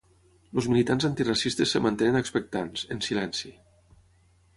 Els militants antiracistes es mantenen expectants, en silenci.